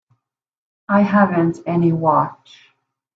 I haven't any watch.